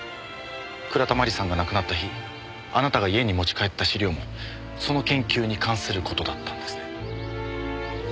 倉田真理さんが亡くなった日あなたが家に持ち帰った資料もその研究に関する事だったんですね。